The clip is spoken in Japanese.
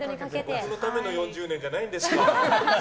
私のための４０年じゃないんですか？